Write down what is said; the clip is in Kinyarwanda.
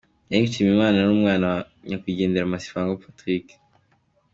Eric Nshimiyimana n'umwana wa Nyakwigendera Mafisango Patrick.